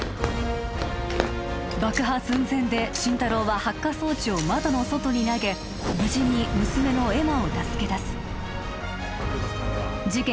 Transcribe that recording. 爆破寸前で心太朗は発火装置を窓の外に投げ無事に娘の恵茉を助け出す事件